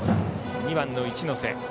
２番の一ノ瀬。